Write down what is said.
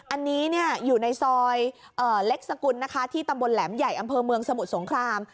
อันนี้อยู่ในซอยเล็กสกุลนะคะที่ตำบลแหลมใหญ่อำเภอเมืองสมุทรสงคราม